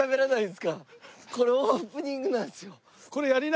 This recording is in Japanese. これオープニングなんですよ。